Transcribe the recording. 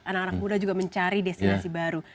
anak anak muda juga mencari destinasi baru